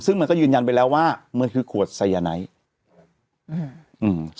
ซึ่งมันก็ยืนยันไปแล้วว่ามันคือขวดไซยาไนท์อืมอืม